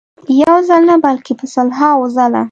یو ځل نه بلکې په سلهاوو ځله.